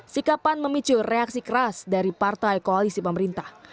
sikap pan memicu reaksi keras dari partai koalisi pemerintah